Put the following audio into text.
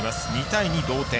２対２同点。